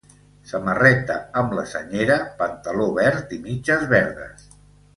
Samarreta amb la senyera, pantaló verd i mitges verdes.